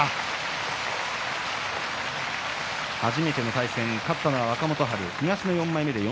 初めての対戦勝ったのは若元春です。